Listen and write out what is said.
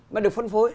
mà được phân phối